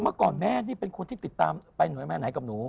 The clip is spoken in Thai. เมื่อก่อนแม่นี่เป็นคนที่ติดตามไปหน่วยมาไหนกับหนู